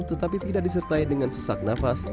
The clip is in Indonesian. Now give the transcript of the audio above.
tetapi tidak disertai dengan sesak nafas